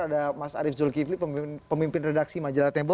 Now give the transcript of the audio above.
ada mas arief zulkifli pemimpin redaksi majalah tempo